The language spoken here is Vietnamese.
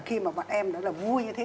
khi mà bạn em đó là vui như thế